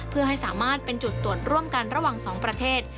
เพื่อให้สามารถเป็นจุดตรวจร่วมกันระหว่างสองประเทศ